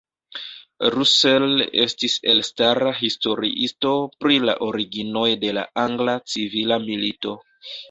Russell estis elstara historiisto pri la originoj de la Angla Civila Milito.